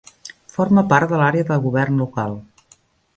Forma part de l'àrea de govern local.